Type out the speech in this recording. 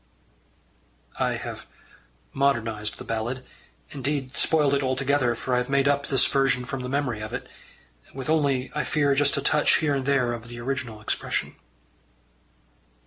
I have modernized the ballad indeed spoiled it altogether, for I have made up this version from the memory of it with only, I fear, just a touch here and there of the original expression.